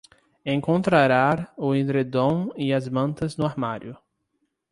Encontrará o edredom e as mantas no armário